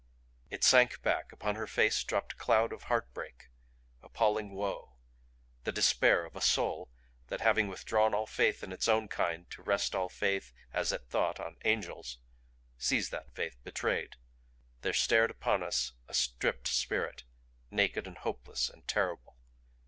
It sank back upon her face dropped a cloud of heartbreak, appalling woe; the despair of a soul that, having withdrawn all faith in its own kind to rest all faith, as it thought, on angels sees that faith betrayed. There stared upon us a stripped spirit, naked and hopeless and terrible.